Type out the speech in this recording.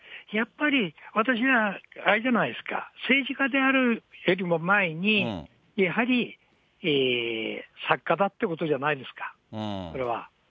やっぱり、私は、あれじゃないですか、政治家であるよりも前に、やはり作家だということじゃないですか、これは。